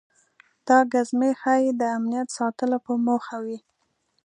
دا ګزمې ښایي د امنیت ساتلو په موخه وي.